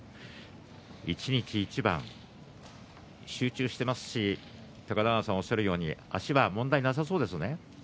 一日一番集中していますし高田川さんがおっしゃるように足が問題なさそうですね。